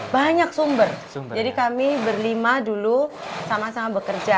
banyak sumber jadi kami berlima dulu sama sama bekerja